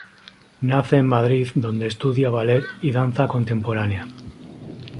Nace en Madrid donde estudia Ballet y danza contemporánea.